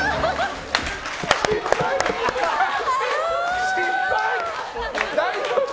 失敗！